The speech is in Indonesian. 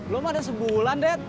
lo mah udah sebulan det